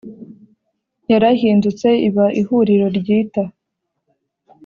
yarahindutse iba Ihuriro ryita